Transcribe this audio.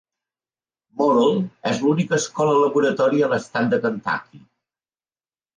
Model és l'única escola laboratori a l'estat de Kentucky.